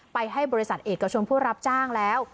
ไปให้บริษัทเอกชนผู้รับจ้างแล้ว